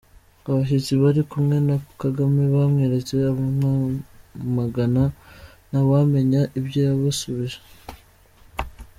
Abashyitsi bari kumwe na Kagame bamweretse abamwamagana ntawamenya ibyo yabasubije